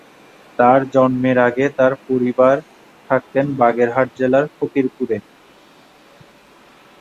তার জন্মের আগে তার পরিবার থাকতেন বাগেরহাট জেলার ফকিরপুরে।